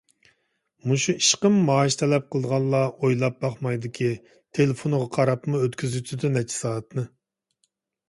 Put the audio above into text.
مۇشۇ ئىشقىمۇ مائاش تەلەپ قىلغانلار ئويلاپ باقمايدۇكى، تېلېفونىغا قاراپمۇ ئۆتكۈزۈۋېتىدۇ نەچچە سائەتنى.